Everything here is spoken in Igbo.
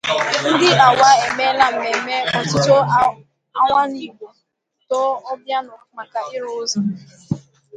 Ndị Awa Emeela Mmemme Otute Awanigbo, Too Obianọ Maka Ịrụ Ụzọ